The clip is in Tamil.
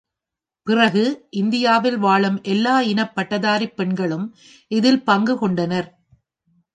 பிறகு இந்தியாவில் வாழும் எல்லா இனப்பட்டதாரிப் பெண்களும் இதில் பங்கு கொண்டனர்.